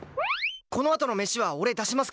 このあとの飯は俺出しますから！